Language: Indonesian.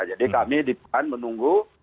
jadi kami di pan menunggu